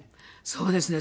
そうですね。